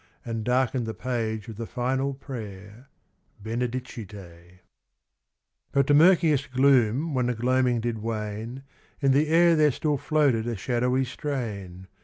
And darkened the page of the final prayer, Benedicite. 152 BROTHER BENEDICT But to murkiest gloom when the gloaming did wane, In the air there still floated a shadowy strain.